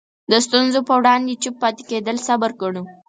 د ستونزو په وړاندې چوپ پاتې کېدل صبر ګڼو.